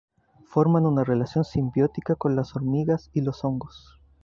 Forman una relación simbiótica con las hormigas y los hongos.